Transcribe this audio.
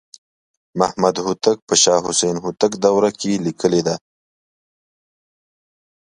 محمدهوتک په شاه حسین هوتک دوره کې لیکلې ده.